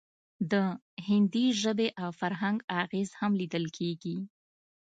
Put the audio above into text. د هندي ژبې او فرهنګ اغیز هم لیدل کیږي